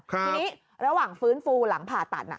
ทีนี้ระหว่างฟื้นฟูหลังผ่าตัด